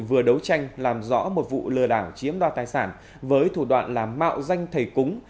vừa đấu tranh làm rõ một vụ lừa đảo chiếm đoạt tài sản với thủ đoạn là mạo danh thầy cúng